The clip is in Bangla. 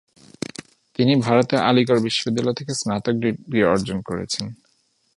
তিনি ভারতের আলীগড় বিশ্ববিদ্যালয় থেকে স্নাতক ডিগ্রি অর্জন করেছেন।